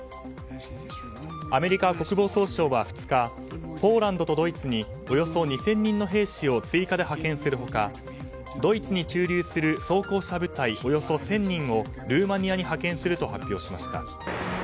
アメリカ国防総省は２日ポーランドとドイツにおよそ２０００人の兵士を追加で派遣する他ドイツに駐留する装甲車部隊およそ１０００人をルーマニアに派遣すると発表しました。